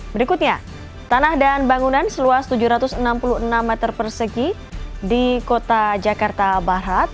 berikutnya tanah dan bangunan seluas tujuh ratus enam puluh enam meter persegi di kota jakarta barat